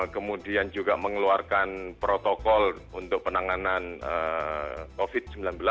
kemudian juga mengeluarkan protokol untuk penanganan covid sembilan belas